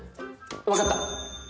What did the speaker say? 分かった！